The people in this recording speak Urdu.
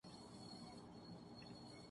۔کیا اس نے تمہار تنخواہ دیدی؟